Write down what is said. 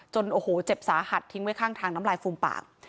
โอ้โหเจ็บสาหัสทิ้งไว้ข้างทางน้ำลายฟูมปาก